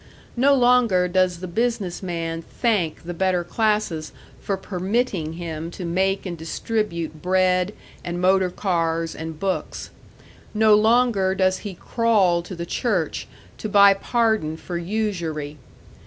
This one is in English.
No longer does the business man thank the better classes for permitting him to make and distribute bread and motor cars and books. No longer does he crawl to the church to buy pardon for usury.